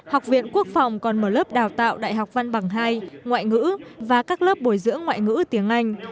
học viện quốc phòng còn mở lớp đào tạo đại học văn bằng hai ngoại ngữ và các lớp bồi dưỡng ngoại ngữ tiếng anh